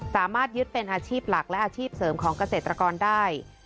สามารถยึดเป็นอาชีพหลักและอาชีพเสริมของเกษตรกรได้